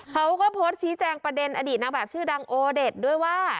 เขาก็โพสต์ชี้แจงประเด็นอดีตนางแบบชื่อดังโอเด็ดด้วยว่า